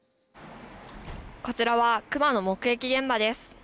こちらは熊の目撃現場です。